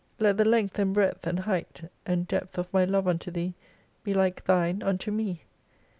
Let the length and breadth and height and depth of my love unto Thee be like Thine unto me.